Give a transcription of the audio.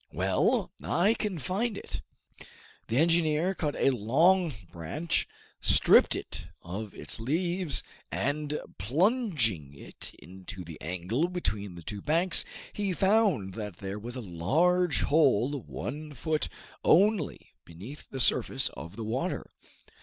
Well, I can find it!" The engineer cut a long branch, stripped it of its leaves, and plunging it into the angle between the two banks, he found that there was a large hole one foot only beneath the surface of the water.